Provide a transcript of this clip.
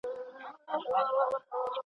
هر یو ښاخ به مي رامات کړې ځکه پوه په دې هنر یې